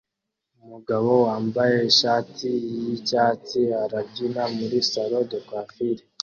Umugabo wambaye ishati yicyatsi arabyina muri salon de coiffure